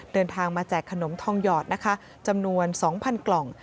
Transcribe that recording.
เดินทางมาแจกขนมทองหยอดนะคะจำนวน๒๐๐กล่อง